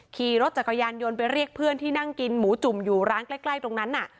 ขี่รถจักรยานยนต์ไปเรียกเพื่อนที่นั่งกินหมูจุ่มอยู่ร้านใกล้ตรงนั้นน่ะ